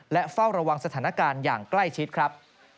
และเฝ้าระวังสถานการณ์อย่างใกล้ชิดครับ